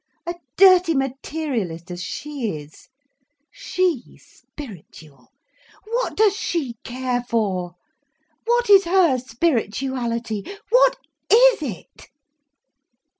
A dirty materialist as she is. She spiritual? What does she care for, what is her spirituality? What is it?"